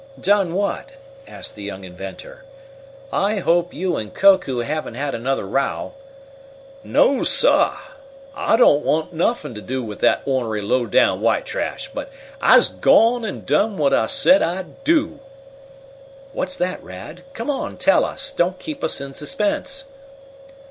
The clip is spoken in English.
"Done what?" asked the young inventor. "I hope you and Koku haven't had another row." "No, sah! I don't want nuffin t' do wif dat ornery, low down white trash! But I's gone an' done whut I said I'd do!" "What's that, Rad? Come on, tell us! Don't keep us in suspense."